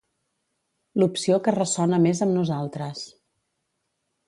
l'opció que ressona més amb nosaltres